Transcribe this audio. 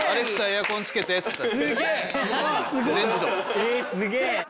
えすげえ。